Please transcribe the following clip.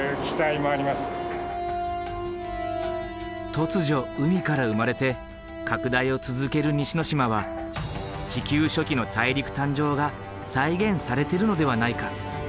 突如海から生まれて拡大を続ける西之島は地球初期の大陸誕生が再現されてるのではないか。